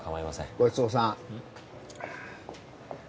ごちそうさん。